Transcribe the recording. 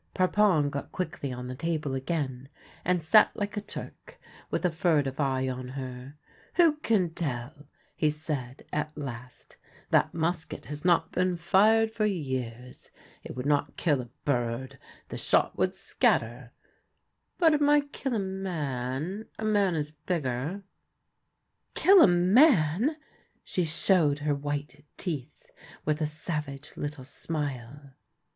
Parpon got quickly on the table again and sat like a Turk, with a furtive eye on her. " Who can tell !" he said at last. " That musket has not been fired for years. It would not kill a bird ; the shot would scatter : but it might kill a man — a man is bigger." " Kill a man !" She showed her white teeth with a savage little smile.